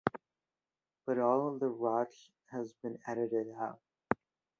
But all the raunch has been edited out.